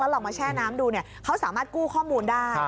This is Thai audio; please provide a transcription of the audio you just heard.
ลองมาแช่น้ำดูเขาสามารถกู้ข้อมูลได้